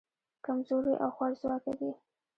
کمزوري او خوارځواکه دي.